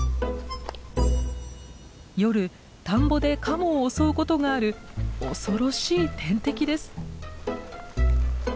夜田んぼでカモを襲うことがある恐ろしい天敵です。